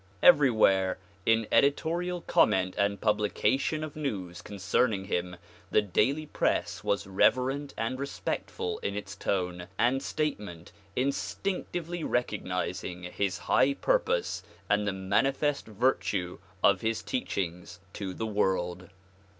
Everywhere in editorial com ment and publication of news concerning him the daily press was reverent and respectful in its tone and statement instinctively recognizing his high purpose and the manifest virtue of his teach ings to the world.